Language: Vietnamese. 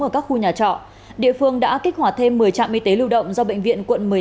ở các khu nhà trọ địa phương đã kích hoạt thêm một mươi trạm y tế lưu động do bệnh viện quận một mươi tám